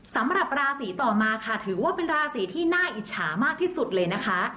สำหรับราศีต่อมาค่ะถือว่าเป็นราศีที่น่าอิจฉามากที่สุดเลยนะคะ